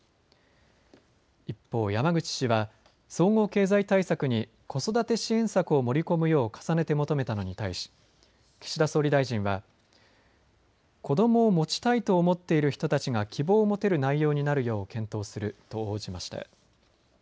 一方、山口氏は総合経済対策に子育て支援策を盛り込むよう重ねて求めたのに対し岸田総理大臣は子どもを持ちたいと思っている人たちが希望を持てる内容になるようを検討すると応じました。